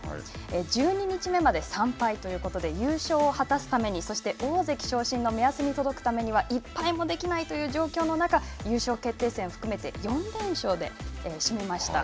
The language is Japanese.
１２日目まで３敗ということで、優勝を果たすためにそして大関昇進の目安に届くために１敗もできないという状況の中優勝決定戦含めて４連勝で締めました。